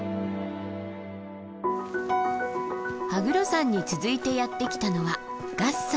羽黒山に続いてやって来たのは月山。